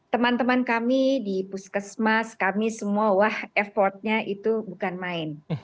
teman teman kami di puskesmas kami semua wah effortnya itu bukan main